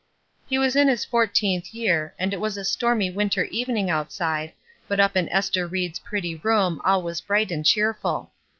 He was in his fourteenth year, and it was a stormy winter evening outside, but up in Ester Ried's pretty room all was bright and cheerful.